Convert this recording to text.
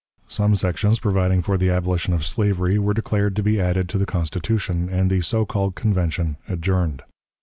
Some sections providing for the abolition of slavery were declared to be added to the Constitution, and the so called Convention adjourned.